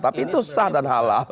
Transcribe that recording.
tapi itu sah dan halal